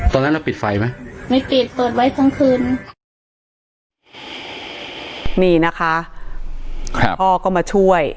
ตอนนั้นเราปิดไฟไหมไม่ปิดเปิดไว้ทั้งคืนนี่นะคะครับพ่อก็มาช่วย